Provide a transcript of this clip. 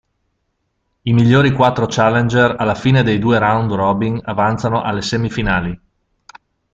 I migliori quattro challenger alla fine dei due Round Robin avanzano alle semifinali.